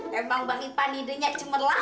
memang wangi panidenya cemerlang